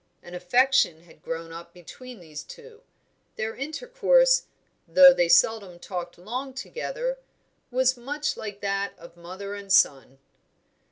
An affection had grown up between these two; their intercourse, though they seldom talked long together, was much like that of mother and son.